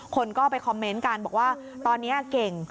คนก็ไปคอมเมนต์กันบอกว่าตอนนี้เก่ง